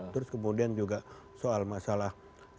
terus kemudian juga soal masalah